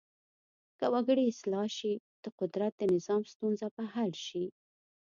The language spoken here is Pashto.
که وګړي اصلاح شي د قدرت د نظام ستونزه به حل شي.